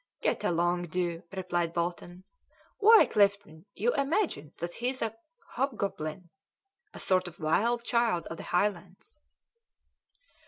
"Get along, do!" replied Bolton. "Why, Clifton, you imagine that he's a hobgoblin a sort of wild child of the Highlands."